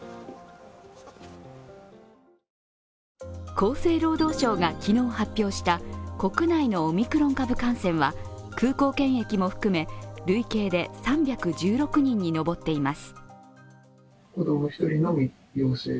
厚生労働省が昨日発表した国内のオミクロン株感染は空港検疫も含め累計で３１６人に上っています。